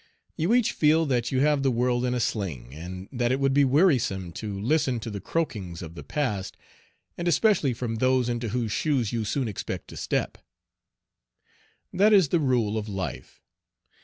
You each feel that you have the world in a sling, and that it would be wearisome to listen to the croakings of the past, and especially from those into whose shoes you soon expect to step. That is the rule of life.